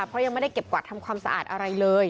เพราะยังไม่ได้เก็บกวาดทำความสะอาดอะไรเลย